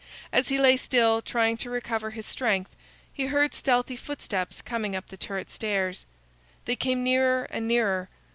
As he lay still, trying to recover his strength, he heard stealthy footsteps coming up the turret stairs. They came nearer and nearer.